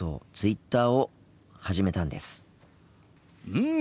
うん。